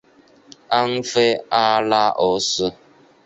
安菲阿拉俄斯。